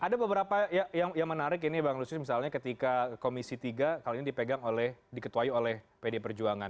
ada beberapa yang menarik ini bang lusius misalnya ketika komisi tiga kali ini dipegang oleh diketuai oleh pd perjuangan